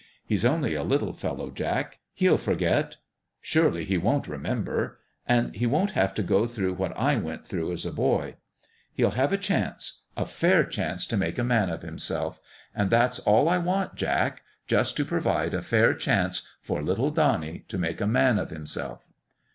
He's only a little fellow, Jack. He'll forget ; surely, he won't remember. And he won't have to go through what I went through as a boy. He'll have a chance a fair chance to make a man of himself ; and that's all I want, Jack just to pro vide a fair chance for little Donnie to make a man of himself."